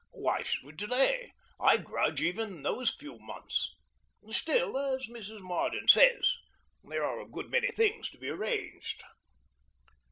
Why should we delay? I grudge even those few months. Still, as Mrs. Marden says, there are a good many things to be arranged.